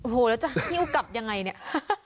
โอ้โหแล้วจะหิ้วกลับยังไงเนี่ย